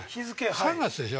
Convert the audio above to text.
３月でしょ？